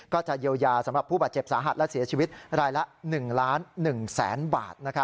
ก็จะเยียวยาสำหรับผู้บาดเจ็บสาหัสและเสียชีวิตรายละ๑ล้าน๑แสนบาท